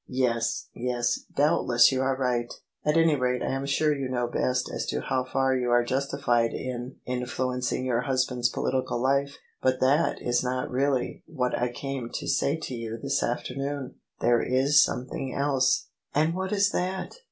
Yes, yes, doubtless you are right: at any rate I am sure you know best as to how far you are justified in influencing your husband's political life. But that is not really what I came to say to you this afternoon : there is something else." "And what is that?